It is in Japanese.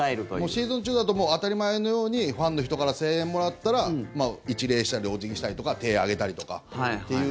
シーズン中だと当たり前のようにファンの人から声援もらったら一礼したりお辞儀したりとか手上げたりとかっていう。